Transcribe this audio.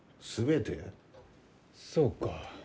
そうか。